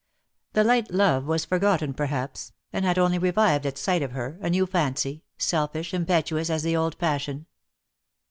The light love was forgotten perhaps, and had only revived at sight of her, a new fancy, selfish, impetuous, as the old passion.